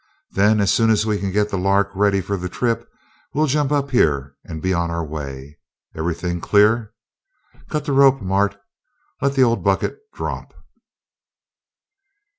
Then as soon as we can get the 'Lark' ready for the trip, we'll jump up here and be on our way. Everything clear? Cut the rope, Mart let the old bucket drop!"